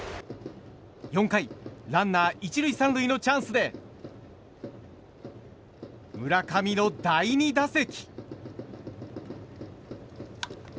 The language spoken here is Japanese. ４回、ランナー１塁３塁のチャンスで村上の第２打席。